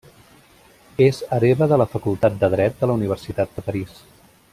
És hereva de la Facultat de Dret de la Universitat de París.